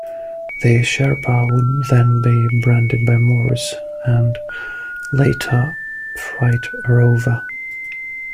The "Sherpa" would then be branded by Morris and later Freight Rover.